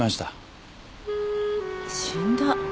死んだ？